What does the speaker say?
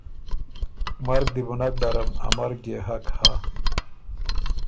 مرګ دی بو نک ډرم ا مرګ يې حق هۀ۔